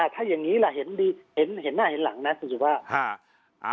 ถ้าอย่างนี้แหละเห็นดีเห็นหน้าเห็นหลังนะคุณสุภาว่า